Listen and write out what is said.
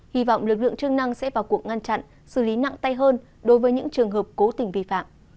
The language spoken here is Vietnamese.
hy vọng lực lượng chức năng sẽ vào cuộc ngăn chặn xử lý nặng tay hơn đối với những trường hợp cố tình vi phạm